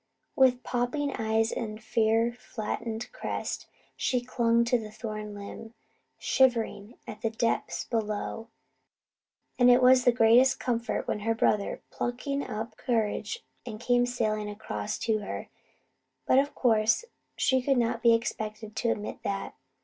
With popping eyes and fear flattened crest, she clung to the thorn limb, shivering at the depths below; and it was the greatest comfort when her brother plucked up courage and came sailing across to her. But, of course, she could not be expected to admit that.